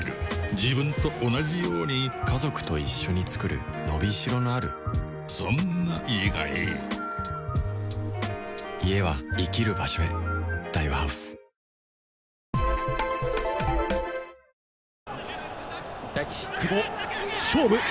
自分と同じように家族と一緒に作る伸び代のあるそんな「家」がいい家は生きる場所へ久保、勝負。